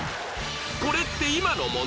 これって今のもの？